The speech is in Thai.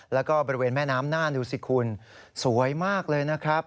แล้วก็บริเวณแม่น้ำน่านดูสิคุณสวยมากเลยนะครับ